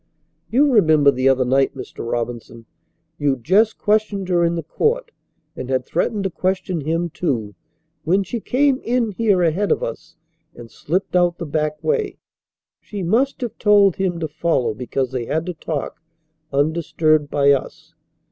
You remember the other night, Mr. Robinson. You'd just questioned her in the court and had threatened to question him, too, when she came in here ahead of us and slipped out the back way. She must have told him to follow because they had to talk, undisturbed by us.